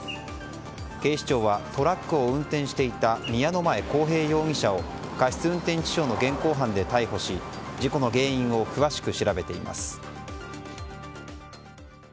警視庁はトラックを運転していた宮之前幸平容疑者を過失運転致傷の現行犯で逮捕し事故の原因を詳しく調べています。